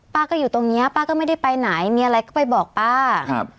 ป้าก็อยู่ตรงเนี้ยป้าก็ไม่ได้ไปไหนมีอะไรก็ไปบอกป้าครับ